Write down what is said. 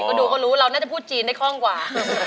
พวกดูเขารู้เราน่าจะพูดจีนได้ข้องกว่า